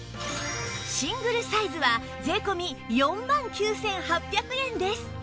シングルサイズは税込４万９８００円です